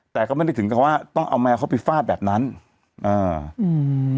แต่ก็ไม่ได้ถึงกับว่าต้องเอาแมวเขาไปฟาดแบบนั้นอ่าอืม